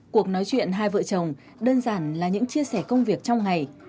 cuộc nói chuyện hai vợ chồng đơn giản là những chia sẻ công việc trong ngày